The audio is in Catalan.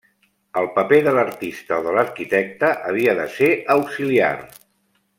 El paper de l'artista o de l'arquitecte havia de ser auxiliar.